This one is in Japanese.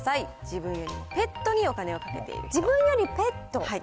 自分よりもペットにお金をかけて自分よりペット？